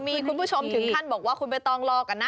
มีคุณผู้ชมถึงขั้นบอกว่าคุณใบตองรอก่อนนะ